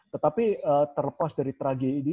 tetapi terlepas dari tragedi